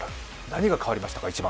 何が一番変わりましたか？